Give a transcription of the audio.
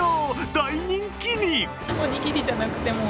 大人気に。